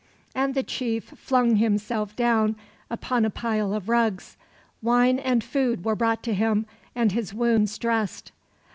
And the chief flung himself down upon a pile of rugs. Wine and food were brought to him, and his wounds dressed.